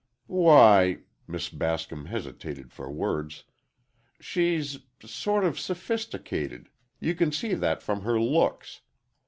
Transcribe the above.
"Why," Miss Bascom hesitated for words, "she's—sort of sophisticated—you can see that from her looks.